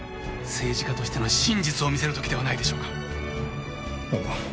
政治家としての真実を見せる時ではないでしょうか。